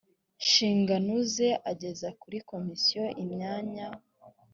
nshingano ze ageza kuri komisiyo imyanya